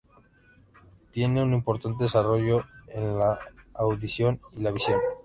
Tiene un importante desarrollo de la audición y la visión.